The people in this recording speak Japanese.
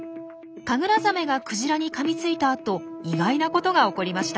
カグラザメがクジラにかみついたあと意外なことが起こりました。